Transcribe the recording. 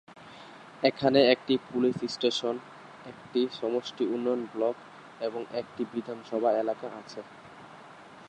এখানে একটি police station, একটি সমষ্টি উন্নয়ন ব্লক এবং একটি বিধানসভা এলাকা আছে।